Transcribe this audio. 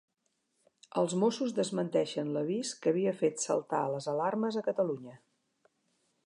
Els Mossos desmenteixen l'avís que havia fet saltar les alarmes a Catalunya.